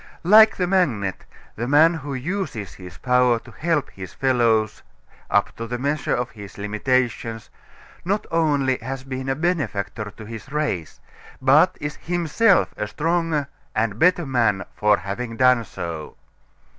Like the magnet, the man who uses his power to help his fellows up to the measure of his limitations not only has been a benefactor to his race, but is himself a stronger and better man for having done so.